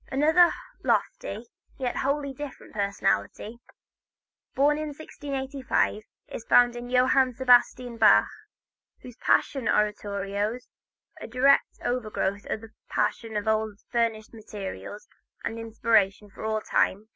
Another lofty, yet wholly different personality, born also in 1685, is found in Johann Sebastian Bach, whose Passion Oratorios, a direct outgrowth of the Passion plays of old, furnish materials and inspiration for all time.